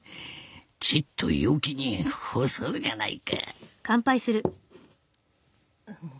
ちっと陽気に干そうじゃないか。